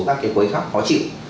các cái khối khắc khó chịu